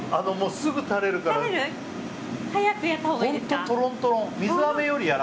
すぐ垂れるから。